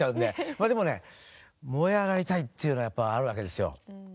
まあでもね燃え上がりたいっていうのはやっぱあるわけですよ。